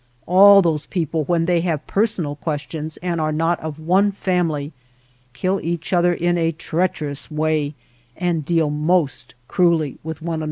All those people when they have per sonal questions and are not of one family, kill each other in a treacherous way and deal most cruelly with one another.